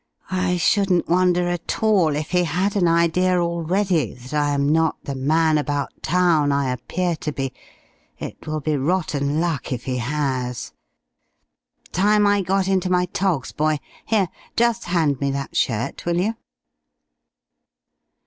I shouldn't wonder at all, if he had an idea already that I am not the 'man about town' I appear to be. It will be rotten luck if he has.... Time I got into my togs, boy.... Here, just hand me that shirt, will you?"